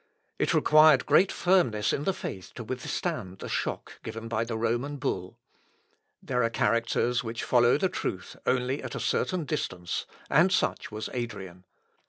It required great firmness in the faith to withstand the shock given by the Roman bull. There are characters which follow the truth only a certain distance, and such was Adrian.